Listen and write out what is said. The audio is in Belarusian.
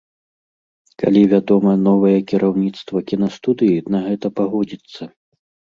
Калі, вядома, новае кіраўніцтва кінастудыі на гэта пагодзіцца.